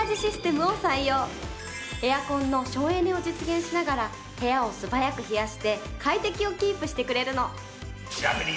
エアコンの省エネを実現しながら部屋を素早く冷やして快適をキープしてくれるの。